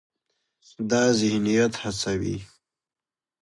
دا ذهنیت هڅوي،